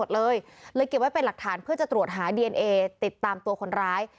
เลยเก็บไว้เป็นหลักฐานเพื่อจะตรวจหาดีเอนเอติดตามตัวคนร้าย